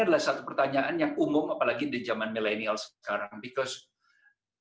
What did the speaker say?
adalah satu pertanyaan yang umum apalagi di zaman milenial sekarang